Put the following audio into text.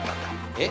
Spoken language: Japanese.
えっ？